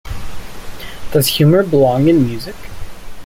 Does Humor Belong in Music?